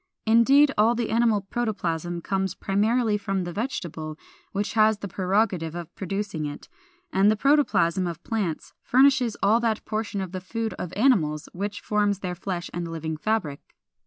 Indeed, all the animal protoplasm comes primarily from the vegetable, which has the prerogative of producing it; and the protoplasm of plants furnishes all that portion of the food of animals which forms their flesh and living fabric.